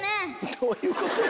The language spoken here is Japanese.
どういうことや？